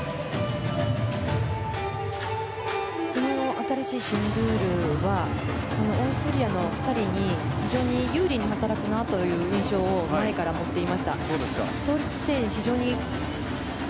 新しい新ルールはオーストリアの２人に非常に有利に働くなという印象を前から持っていました。